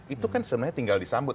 itu kan sebenarnya tinggal disambut